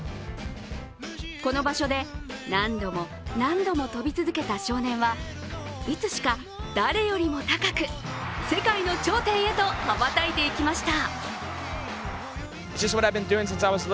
この場所で何度も何度も跳び続けた少年はいつしか誰よりも高く、世界の頂点へと羽ばたいていきました。